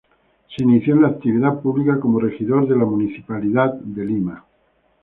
Se inició en la actividad pública como regidor de la Municipalidad de Lima.